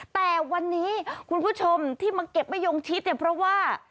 แต่วันนี้คุณผู้ชมที่มาเก็บมะยงชิดเนี่ยเพราะว่า